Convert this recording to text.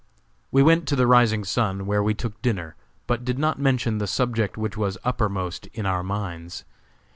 We went to the Rising Sun, where we took dinner, but did not mention the subject which was uppermost in our minds.